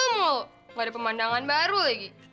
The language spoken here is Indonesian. gak ada pemandangan baru lagi